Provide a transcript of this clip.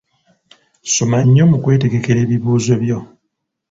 Soma nnyo mu kwetegekera ebibuuzo byo.